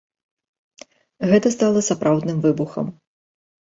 Гэта стала сапраўдным выбухам.